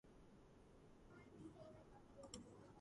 პრინცესას უთანხმოება ჰქონდა მამასთან და მხარს უჭერდა ვიგების პარტიას.